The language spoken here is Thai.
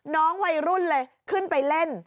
วัยรุ่นเลยขึ้นไปเล่น